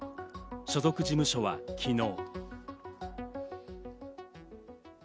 所属事務所は昨日。